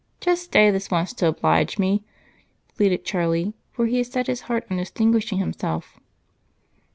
Just stay this once to oblige me," pleaded Charlie, for he had set his heart on distinguishing himself.